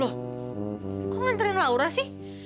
loh kok nganterin laura sih